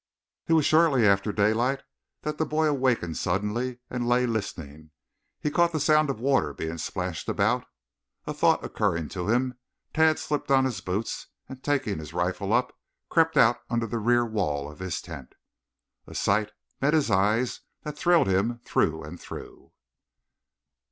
It was shortly after daylight that the boy awakened suddenly and lay listening. He caught the sound of water being splashed about. A thought occurring to him, Tad slipped on his boots and taking his rifle up crept out under the rear wall of his tent. A sight met his eyes that thrilled him through and through.